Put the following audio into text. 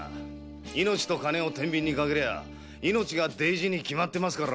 命と金を天秤にかけりゃ命が大事に決まってます。